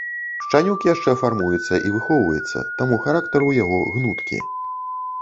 Шчанюк яшчэ фармуецца і выхоўваецца, таму характар у яго гнуткі.